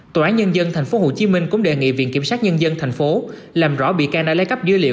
tòa án nhân dân tp hcm cũng đề nghị viện kiểm sát nhân dân tp hcm làm rõ bị can đã lấy cắp dữ liệu